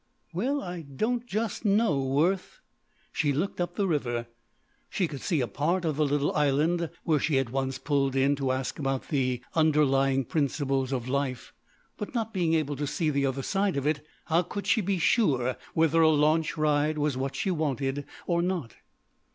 "Well, I don't just know, Worth." She looked up the river. She could see a part of the little island where she had once pulled in to ask about the underlying principles of life, but not being able to see the other side of it, how could she be sure whether a launch ride was what she wanted or not?